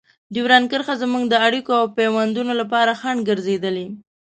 ډیورنډ کرښه زموږ د اړیکو او پيوندونو لپاره خنډ ګرځېدلې.